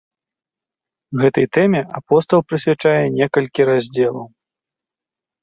Гэтай тэме апостал прысвячае некалькі раздзелаў.